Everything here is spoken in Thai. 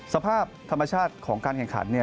สภาพธรรมชาติของการแข่งขัน